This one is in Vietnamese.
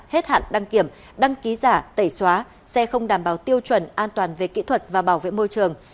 hết hạn đăng kiểm đăng ký giả tẩy xóa xe không đảm bảo tiêu chuẩn an toàn về kỹ thuật và bảo vệ môi trường